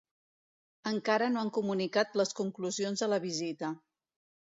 Encara no han comunicat les conclusions de la visita.